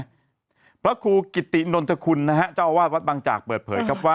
พระครูกิตินนทคุณนะฮะเจ้าอาวาสวัดบางจากเปิดเผยครับว่า